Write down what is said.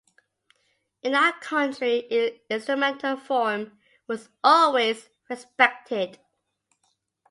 In our country its instrumental form was always respected.